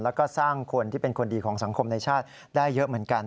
แล้วก็สร้างคนที่เป็นคนดีของสังคมในชาติได้เยอะเหมือนกัน